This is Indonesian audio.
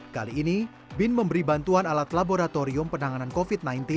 kali ini bin memberi bantuan alat laboratorium penanganan covid sembilan belas